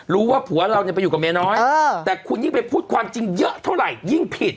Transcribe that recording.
รู้ว่าผัวเราไปอยู่กับเมียน้อยแต่คุณยิ่งไปพูดความจริงเยอะเท่าไหร่ยิ่งผิด